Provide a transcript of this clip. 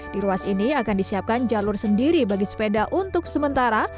di ruas ini akan disiapkan jalur sendiri bagi sepeda untuk sementara